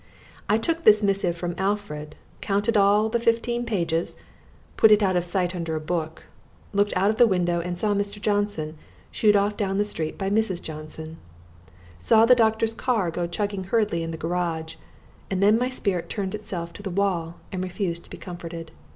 I took this missive from Alfred, counted all the fifteen pages, put it out of sight under a book, looked out of the window and saw Mr. Johnson shooed off down the street by Mrs. Johnson; saw the doctor's car go chugging hurriedly in the garage, and then my spirit turned itself to the wall and refused to be comforted.